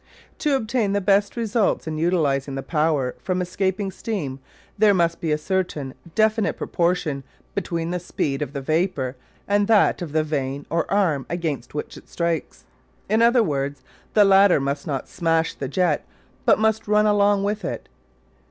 To obtain the best results in utilising the power from escaping steam there must be a certain definite proportion between the speed of the vapour and that of the vane or arm against which it strikes. In other words, the latter must not "smash" the jet, but must run along with it.